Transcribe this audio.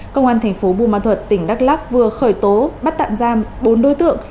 công an thành phố bùa ma thuật tỉnh đắk lắc vừa khởi tố bắt tạm giam bốn đối tượng